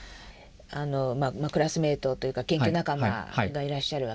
クラスメ−トというか研究仲間がいらっしゃるわけですよね。